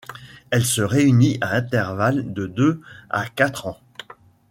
Elle se réunit à intervalles de deux à quatre ans.